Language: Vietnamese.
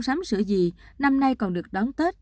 sắm sửa gì năm nay còn được đón tết